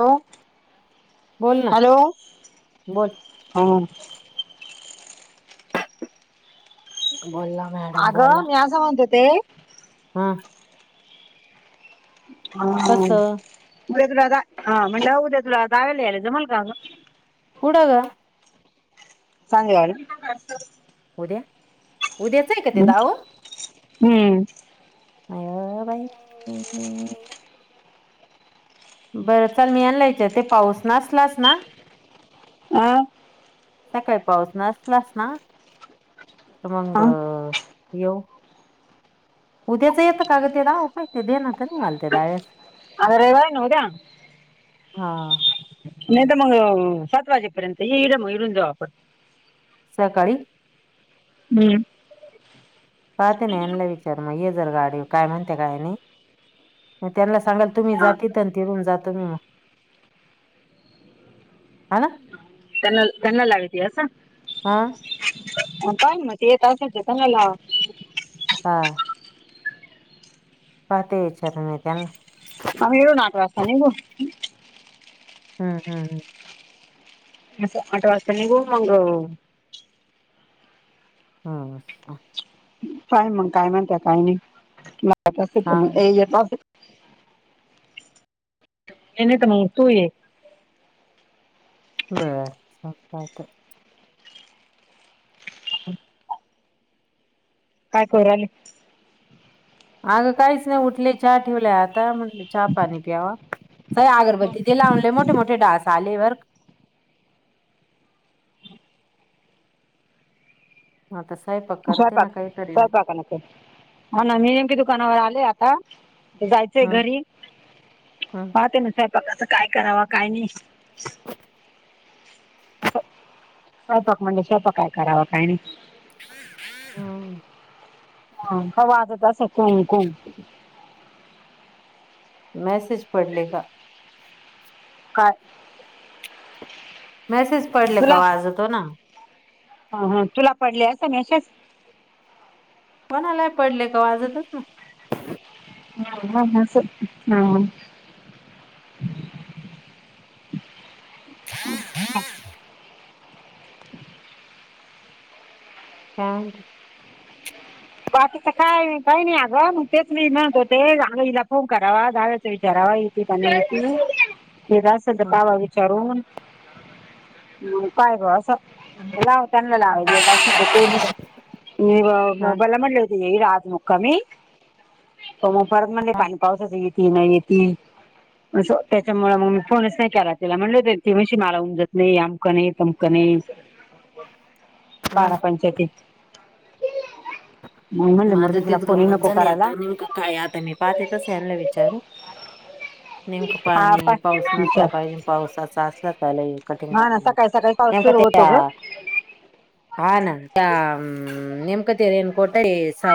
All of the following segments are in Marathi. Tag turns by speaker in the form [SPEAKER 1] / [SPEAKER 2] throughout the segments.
[SPEAKER 1] होॅ
[SPEAKER 2] बोल ना
[SPEAKER 1] हॅलो
[SPEAKER 2] बोल
[SPEAKER 1] ह
[SPEAKER 2] बोला मॅडम
[SPEAKER 1] अगं मी अस असं म्हणत ते
[SPEAKER 2] ह
[SPEAKER 1] हा
[SPEAKER 2] कस
[SPEAKER 1] उद्या तुला जाा म्हण उद्या तुला जावे्याला यायला जमल का
[SPEAKER 2] कुड का
[SPEAKER 1] चांगलाय
[SPEAKER 2] उद्या उद्याच आहे का ते दाऊ
[SPEAKER 1] हम्म
[SPEAKER 2] माय बाई बरं चाल मी आणलायच ते पाऊस नसलाच ना
[SPEAKER 1] आं
[SPEAKER 2] सकाळी पाऊस नसलास ना तर मग
[SPEAKER 1] हा
[SPEAKER 2] यऊ उद्याच येतं का ग ते राह पाहि ते दे ना तर निघालते डाव्यास
[SPEAKER 1] अ रव नूऱ
[SPEAKER 2] हा
[SPEAKER 1] नाही तर मग सात वाजेपर्यंत ये मग इडून जाऊ आपण
[SPEAKER 2] सकाळी
[SPEAKER 1] हम्म
[SPEAKER 2] पाते ना यांला विचार मग ये जर गाडी काय म्हणते काय नाही त्यांना सांगाल तुम्ही
[SPEAKER 1] हा
[SPEAKER 2] जातेथ तिरून जातो मी मग हना
[SPEAKER 1] त्यांन त्यांना लाग तयास
[SPEAKER 2] हा
[SPEAKER 1] अ काय म येत स जेतंगला
[SPEAKER 2] हा पा ते विचार नाही त्यां
[SPEAKER 1] आ हळू नाट वाता नघ
[SPEAKER 2] हम्म हम्म हम्म
[SPEAKER 1] असं आठ वाजता निघ मग
[SPEAKER 2] हम्
[SPEAKER 1] काय मग काय म्हण त्या काही नाही अस तर
[SPEAKER 2] हा
[SPEAKER 1] मग येत मने तर मगतो एक
[SPEAKER 2] बर स वाात
[SPEAKER 1] काय खरले
[SPEAKER 2] अगं काहीच नाही उठले चहा ठेवलाय आता म्हण चहा पाणी प्यावा सय अगरबत्ती ते लावूनले मोठे मोठे डास आले वर हा तस
[SPEAKER 1] स्वयंपाक स्वयंपाकान हा ना मी नेमकीे दुकानावर आले आता जायचंय
[SPEAKER 2] हम्म
[SPEAKER 1] घरी
[SPEAKER 2] हम्म
[SPEAKER 1] म त्यानुसार बघ अस काय कराव काय नाही अस स्वपाक म्हणजे स्वयपाक काय करावं काय नाही
[SPEAKER 2] हम
[SPEAKER 1] हा हवाजत अस कणकुम
[SPEAKER 2] मॅसेज पडलेग
[SPEAKER 1] काय
[SPEAKER 2] मेसेज पडले का
[SPEAKER 1] तुला
[SPEAKER 2] आज तो ना
[SPEAKER 1] हा हा तुला पडले असं नाहीशच
[SPEAKER 2] कोणालाय पडले का वाजतच ना
[SPEAKER 1] ह हा अच्छा
[SPEAKER 2] का
[SPEAKER 1] च काय काही नाही अगं मग तेच मी म्हणत होते आगा हला फोन करावा जाव्याच विचारावा हयती पनाती हे असल तर
[SPEAKER 2] हं,
[SPEAKER 1] काबा विचारून काय ग असं लावाय अस ते
[SPEAKER 2] हा
[SPEAKER 1] म्हटलं ये आज मुखमी त मुपरत मंद पनी पावसच इ त नाही य ती त्याच्यामुळे मग मी फोनच नाही केला त्याला म्हटलं ती म्हणशी मला उमजत नाही आमकं नाही तमकं नाही
[SPEAKER 2] हा
[SPEAKER 1] बारा पंचायती म्हणले
[SPEAKER 2] माझं
[SPEAKER 1] मुर्ती तिला
[SPEAKER 2] तीच
[SPEAKER 1] फोनही
[SPEAKER 2] गमत
[SPEAKER 1] नको
[SPEAKER 2] झाली
[SPEAKER 1] करायला
[SPEAKER 2] आता नेमकं काय आता मी पाहत येतच यायला विचार
[SPEAKER 1] घर
[SPEAKER 2] नेमकं पाणी पाऊस नसला पाहिजे पाऊसाचा असला चालय कठीण काात नेम
[SPEAKER 1] होत
[SPEAKER 2] हा नाम ते रे कोठ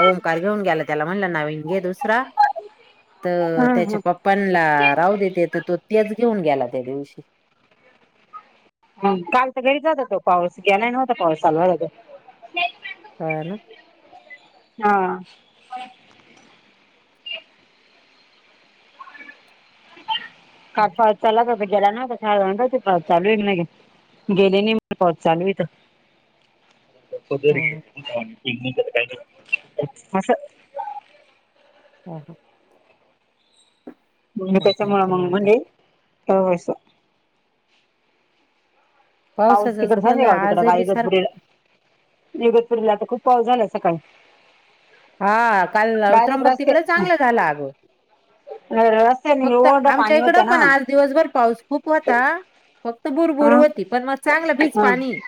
[SPEAKER 2] ओंकार घेऊन गेला त्याला म्हणलं नवीन घे दुसरा तर
[SPEAKER 1] हम्म हम्म.
[SPEAKER 2] त्याच्या पप्पांला राहू देते तर तो तेच शऊन गेला त्या दिवशी
[SPEAKER 1] ह काल तर घरी जात हो तो पाऊस गेला नव्हता पावसाला
[SPEAKER 2] ह
[SPEAKER 1] हा
[SPEAKER 2] हा,
[SPEAKER 1] काठळ चला का गेला ना ते पा चालू आहे म गेले नाही म पात चालू तर
[SPEAKER 2] हा,
[SPEAKER 1] सण का
[SPEAKER 2] ह
[SPEAKER 1] मग त्याच्या मुळ
[SPEAKER 2] माहिती मग आता
[SPEAKER 1] म्हणले [unintelligible] पाऊस
[SPEAKER 2] पावसाचच
[SPEAKER 1] तिकडे
[SPEAKER 2] झालं
[SPEAKER 1] गंज ग
[SPEAKER 2] आजही
[SPEAKER 1] आहे
[SPEAKER 2] बी सारखं
[SPEAKER 1] इगतपुरीला इगतपुरीला तर खूप पाऊस झाला सकाळी.
[SPEAKER 2] हा काल
[SPEAKER 1] डायरेक्ट
[SPEAKER 2] त्र्यंबक
[SPEAKER 1] रस्ते
[SPEAKER 2] तिकडे चांगलं झालं अग.
[SPEAKER 1] रस्त्याने
[SPEAKER 2] फक्त
[SPEAKER 1] एवढं
[SPEAKER 2] आमच्या
[SPEAKER 1] पाणी
[SPEAKER 2] इकड
[SPEAKER 1] होतं ना
[SPEAKER 2] पण आज दिवसभर पाऊस खूप होता. फक्त बुरबुर
[SPEAKER 1] हा
[SPEAKER 2] होती पण मग चांगलं भीच
[SPEAKER 1] हा
[SPEAKER 2] पाणी आहे.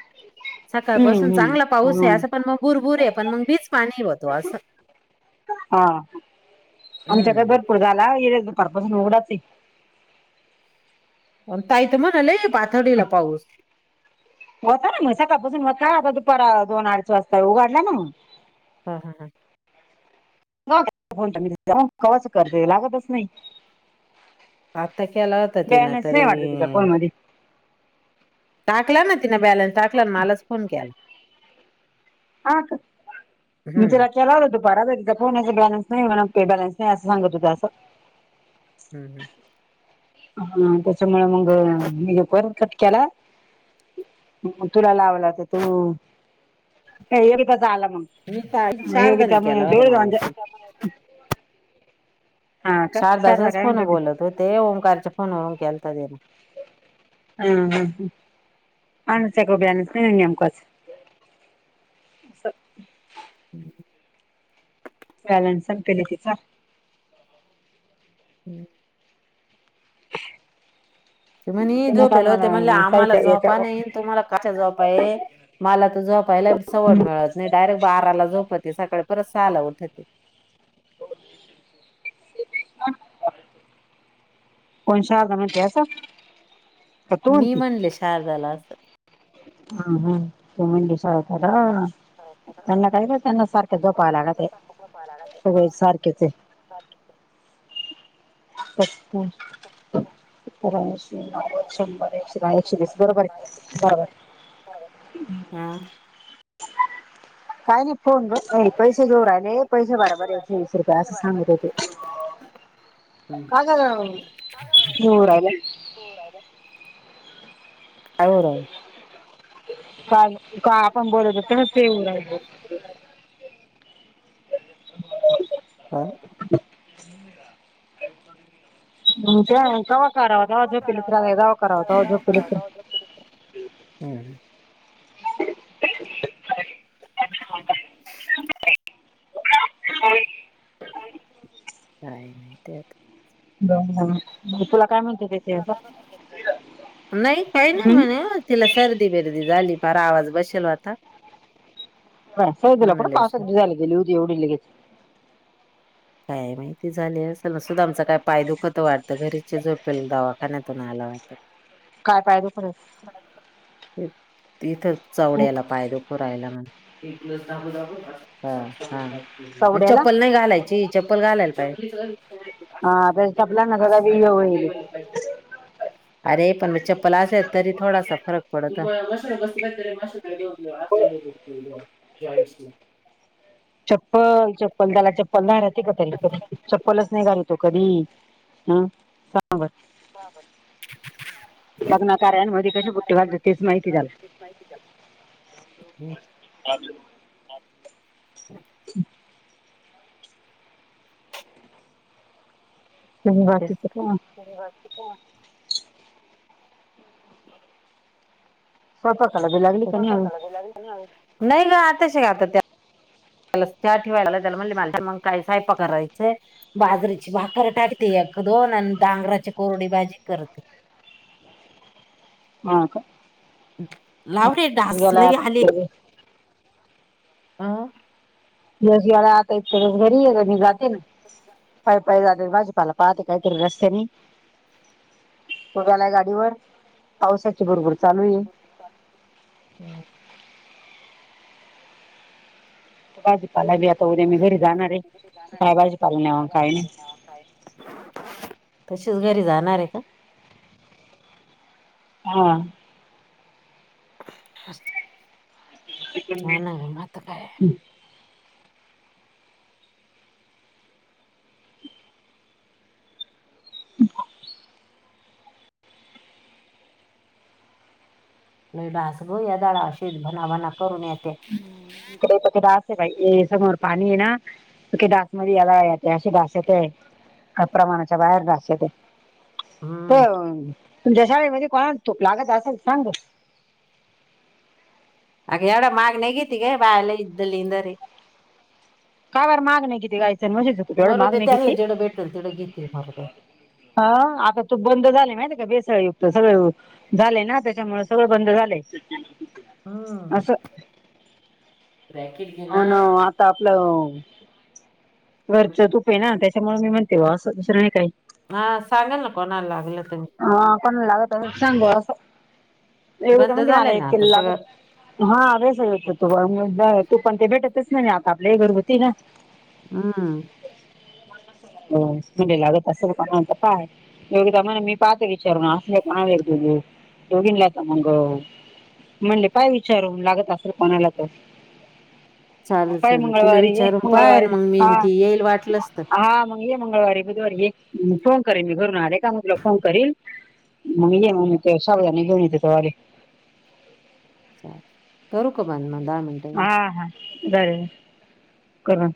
[SPEAKER 2] सकाळपसून
[SPEAKER 1] हम्म हम्म
[SPEAKER 2] चांगला पाऊस आहे
[SPEAKER 1] हम्म
[SPEAKER 2] असं पण मग भुरभूर आहे पण मग बीच पाणी होत.
[SPEAKER 1] हा आमच्याकडे
[SPEAKER 2] हम्म
[SPEAKER 1] भरपूर झाला. दुपारपासून उघडाच आहे.
[SPEAKER 2] ताई तर म्हणालंय पाथडीला पाऊस
[SPEAKER 1] होता ना मग सकाळपासून होता आता दुपार दोन अडीच वाजता उघडला ना मग.
[SPEAKER 2] हा, हा, हा.
[SPEAKER 1] कवाच फोन करते लागतच नाही.
[SPEAKER 2] आता केला होता तिनं
[SPEAKER 1] बॅलन्स नाही
[SPEAKER 2] तरी
[SPEAKER 1] वाटत तीच्या फोन मध्ये.
[SPEAKER 2] टाकला ना तिनं बॅलन्स टाकला मलाच फोन केला.
[SPEAKER 1] हा का मी
[SPEAKER 2] हम्म
[SPEAKER 1] तिला केला होता. बराबर फोनाचा बॅलन्स नाही म्हणे बॅलन्स नाही असं सांगत होत असं.
[SPEAKER 2] हम्म हम्म.
[SPEAKER 1] ह त्याच्या मूळ मंग मी फोन कट केला. ह तुला लावला तर तू आला मग
[SPEAKER 2] मी ताई शारदाने
[SPEAKER 1] योगिता
[SPEAKER 2] केला होता मला
[SPEAKER 1] हा का शारदा
[SPEAKER 2] शारदाच्याच
[SPEAKER 1] काय म्हणत
[SPEAKER 2] फोन
[SPEAKER 1] होती
[SPEAKER 2] बोलत होते ओंकारच्या फोनवरून केलता त्यांन.
[SPEAKER 1] हम्म हम्म आमच्याकडे बॅलन्स नाही नेमकाच. स [inaudible]
[SPEAKER 2] हम्म.
[SPEAKER 1] बॅलन्स संपेलेग तिच.
[SPEAKER 2] हम्म.
[SPEAKER 1] [inaudible]
[SPEAKER 2] ते म्हण
[SPEAKER 1] तिने काल
[SPEAKER 2] झोपेल हो ते म्हणले
[SPEAKER 1] मला
[SPEAKER 2] आम्हाला
[SPEAKER 1] साईच्या याच्या
[SPEAKER 2] झोपा नाही तुम्हाला कशा झोपा बाय मला तर झोपायला सवड मिळत नाही. डायरेक्ट बाराला झोपते सकाळी परत सहाला उठते.
[SPEAKER 1] [inaudible] कोण शारदा म्हटली असं का तू
[SPEAKER 2] मी
[SPEAKER 1] म्हणती
[SPEAKER 2] म्हणले शारदाला
[SPEAKER 1] हम्म हम्म तू म्हटली शारदाला.
[SPEAKER 2] हा.
[SPEAKER 1] त्यांना काही त्यांना सारख
[SPEAKER 2] काय
[SPEAKER 1] झोपायला लागतंय सगळे सारखेच येत.
[SPEAKER 2] सारखेच हे.
[SPEAKER 1] अच्छा ‌
[SPEAKER 2] होऊ
[SPEAKER 1] ऐंशी, नव्वद, शंभर, एकशे दहा, एकशे वीस बरोबर आहे बरोबर.
[SPEAKER 2] राहील? हा.
[SPEAKER 1] काही नाही. कोण ग पैसे घेऊ राहिले पैसे बराबर आहे की एकशे वीस रुपये असं सांगत होते.
[SPEAKER 2] हम्म
[SPEAKER 1] काय झालं
[SPEAKER 2] काय होऊ राहिलं.
[SPEAKER 1] काय का आपण बोलत होत ना ते येऊ राहिल. ह [inaudible]
[SPEAKER 2] हा.
[SPEAKER 1] हम्म. कवा करावा तेव्हा झोपेल
[SPEAKER 2] मरावारावा पुरी [inaudible] हम्म. काय नाही त्यात.
[SPEAKER 1] [unintelligible] मी तुला काय म्हणते? ते ते असं
[SPEAKER 2] [unintelligible] नाही काही नाही म्हणे तिला सर्दी बिर्दी झाली. पार आवाज बसेल होता.
[SPEAKER 1] कुट
[SPEAKER 2] म्हणाले
[SPEAKER 1] पावसात
[SPEAKER 2] सर.
[SPEAKER 1] भिजायला गेली होती एवढी लगेच?
[SPEAKER 2] काय माहिती झाली असेल? सुदामचा काय पाय दुखतो वाटतं घरीचे झोपेल दवाखान्यातून आला. [unintelligible]
[SPEAKER 1] काय पाय दुखू राहिले.
[SPEAKER 2] तिथं चवड्याला पाय दुखू राहिला म्हण.
[SPEAKER 1] चवड्याला
[SPEAKER 2] चप्पल नाही घालायची? चालायला पाहिजे.
[SPEAKER 1] त्याच्या टपला ना सगळा वेळ येईल
[SPEAKER 2] [inaudible] अरे. पण मग चप्पल असेल तरी थोडासा फरक पडतो. [unintelligible] जॉईंट्स
[SPEAKER 1] चप्पल. चप्पल घाला चप्पल [unintelligible] का तरी चप्पलच नाही घालत. तो कधी? हं सां [unintelligible] लग्नाकार्यांमध्ये कसे पुट्टे घालतात तेच माहिती त्याला.
[SPEAKER 2] हम्म,
[SPEAKER 1] आज. नाही बाकीच
[SPEAKER 2] तेच.
[SPEAKER 1] केव्हा? तर तर.
[SPEAKER 2] नाही ग आताशी गाव त्या त्याला चहा ठेवायला लावलाय. मग त्याला म्हणले मला मग काय स्वयंपाक करायचाय बाजरीची भाकर टाकते एक एक दोन आणि डांगराची कोरडी भाजी करते.
[SPEAKER 1] हा का?
[SPEAKER 2] लाव रे डास
[SPEAKER 1] गेला
[SPEAKER 2] लई आले. अं.
[SPEAKER 1] [unintelligible] पाय पाय जाते भाजीपाला पाहाते काय तरी रस्त्यानी. तो गेलाय गाडीवर. पावसाची भुरभुर चालू आहे. भाजीपाला बी [unintelligible]
[SPEAKER 2] आता
[SPEAKER 1] जाणार
[SPEAKER 2] उद्या
[SPEAKER 1] आहे
[SPEAKER 2] मी कुठे जाणार आहे
[SPEAKER 1] काय भाजीपाला नाही काय
[SPEAKER 2] काजल म्ह [inaudible] तशीच घरी जाणार आहे का?
[SPEAKER 1] हा.
[SPEAKER 2] [unintelligible] ह नाही. आता काय?
[SPEAKER 1] [inaudible]
[SPEAKER 2] लई डास गं या झाडावर भनाभणा करून येत्यात.
[SPEAKER 1] इकडे पण ते डास समोर पाणी आहे ना. डासमध्ये याला असे डास येत आहे. प्रमाणाच्या बाहेर डास येतात.
[SPEAKER 2] हम्म
[SPEAKER 1] तुमच्या शाळेमध्ये कोणाला तूप लागत असेल तर सांग ग.
[SPEAKER 2] अग एवढा महाग नाही घेती ग. बाया लई दलिंदरये
[SPEAKER 1] काय बरं माग नाही किती गायचं म्हणजे तूप एवढं
[SPEAKER 2] मरू
[SPEAKER 1] माग
[SPEAKER 2] दे
[SPEAKER 1] नाही
[SPEAKER 2] त्यांना.
[SPEAKER 1] किती
[SPEAKER 2] जिथे भेटेल तिथं घेतील मरू दे.
[SPEAKER 1] ह आता तूप बंद झाले माहिती का? भेसळयुक्त सगळं झाले ना, त्याच्यामुळे सगळं बंद झालं.
[SPEAKER 2] हम्म.
[SPEAKER 1] असं?
[SPEAKER 2] ब्रॅकेट घे
[SPEAKER 1] हो ना हो आता आपलं घरचं तूप आहे ना त्याच्यामुळे मी म्हणते बुवा असं दुसरं नाही काय.
[SPEAKER 2] हां. सांगेल ना कोणाला लागत असलं तर.
[SPEAKER 1] हा कोणाला लागलत सांगू अस. एढ
[SPEAKER 2] बंद
[SPEAKER 1] म्हणज मला
[SPEAKER 2] झालंय
[SPEAKER 1] एक
[SPEAKER 2] ना आता
[SPEAKER 1] किलो
[SPEAKER 2] सगळं
[SPEAKER 1] लागत हा व्यास तो [unintelligible] तूप अन ते भेटतच नाही आता. आपल हे घरगुतीय ना?
[SPEAKER 2] हम.
[SPEAKER 1] हो म्हडे लागत असेल पण कायघदा मला मी [unintelligible] पाहाते विचारून आस दोघींनाच मंग म्हणले पाय विचारू लागत असेल कोणाला तर.
[SPEAKER 2] चालेल
[SPEAKER 1] काय
[SPEAKER 2] चालेल तिला
[SPEAKER 1] मंगळवारी ये
[SPEAKER 2] विचारून पाय
[SPEAKER 1] मंगळवारी
[SPEAKER 2] मग मी
[SPEAKER 1] हा
[SPEAKER 2] न ती येईल वाटलंच तर.
[SPEAKER 1] हा मग ये मंगळवारी बुधवारी ये फोन करेन मी घरून आले का मग फोन करील मग ये मग साबुदाणा घेऊन येते तो.
[SPEAKER 2] करू का बंद म दहा मिनटे झाले.
[SPEAKER 1] बर करण